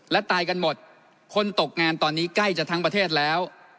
และตายกันหมดคนตกงานตอนนี้ใกล้จะทั้งประเทศแล้ว